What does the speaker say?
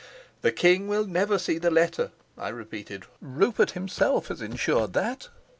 "The king will never see the letter," I repeated. "Rupert himself has insured that."